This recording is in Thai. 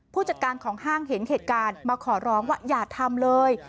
ผู้จัดการของห้างเห็นเหตุการณ์มาขอร้องว่าอย่าทำเลย